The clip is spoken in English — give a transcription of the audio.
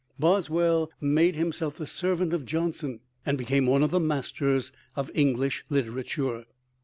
Boswell made himself the servant of Johnson, and became one of the masters of English literature.